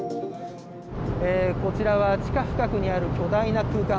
こちらは地下深くにある巨大な空間。